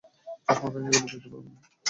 চশমা ভেঙ্গে গেলে দেখতে পারব না।